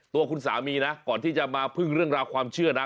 ตัวคุณสามีนะก่อนที่จะมาพึ่งเรื่องราวความเชื่อนะ